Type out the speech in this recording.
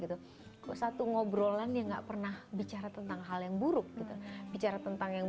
gitu kok satu ngobrolan yang nggak pernah bicara tentang hal yang buruk gitu bicara tentang yang